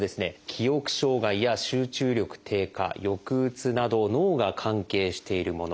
記憶障害や集中力低下抑うつなど脳が関係しているもの。